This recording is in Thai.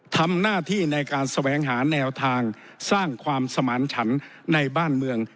ทำหน้าที่ในการแสวงหาแนวทางสร้างความสมานฉันในบ้านเมือง